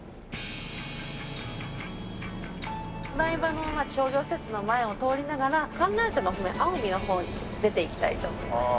お台場の商業施設の前を通りながら観覧車の方面青海の方に出ていきたいと思います。